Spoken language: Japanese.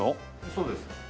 そうです。